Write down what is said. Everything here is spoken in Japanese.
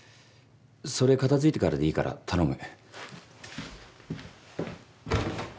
それ片づいてからでいいから頼む。